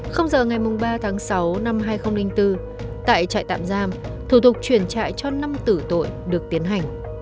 giờ ngày ba tháng sáu năm hai nghìn bốn tại trại tạm giam thủ tục chuyển trại cho năm tử tội được tiến hành